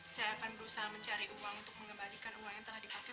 saya akan berusaha mencari uang untuk mengembalikan uang yang telah dipakai suami saya pak